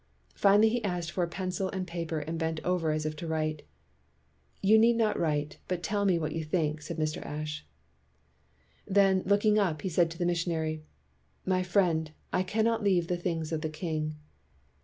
Finally he asked for a pencil and paper and bent over as if to write. "You need not write; but tell me what you think, '' said Mr. Ashe. Then, looking up, he said to the mission ary, "My friend, I cannot leave the things of the king."